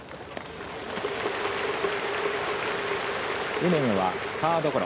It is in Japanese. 梅野はサードゴロ。